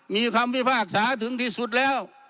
มีคำพิพากษาถึงที่สุดแล้ว